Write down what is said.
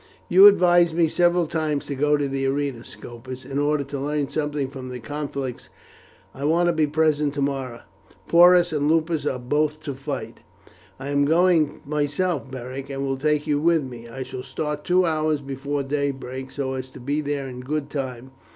"You advised me several times to go to the arena, Scopus, in order to learn something from the conflicts. I want to be present tomorrow. Porus and Lupus are both to fight." "I am going myself, Beric, and will take you with me. I shall start two hours before daybreak, so as to be there in good time.